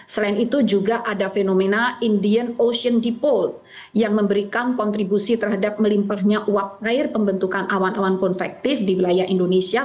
selain itu juga ada fenomena indian ocean depot yang memberikan kontribusi terhadap melimpahnya uap air pembentukan awan awan konvektif di wilayah indonesia